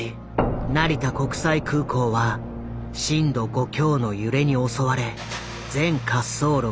成田国際空港は震度５強の揺れに襲われ全滑走路が閉鎖。